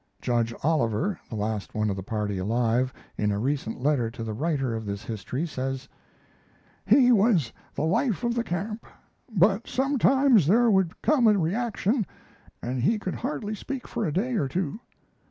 Judge Oliver, the last one of the party alive, in a recent letter to the writer of this history, says: He was the life of the camp; but sometimes there would come a reaction and he could hardly speak for a day or two.